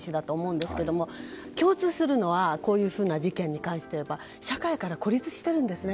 共通するのはこの事件に関していえば社会から孤立しているんですね。